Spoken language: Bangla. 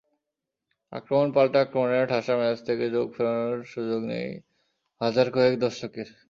আক্রমণ-পাল্টা আক্রমণে ঠাসা ম্যাচ থেকে চোখ ফেরানোর সুযোগ নেই হাজার কয়েক দর্শকের।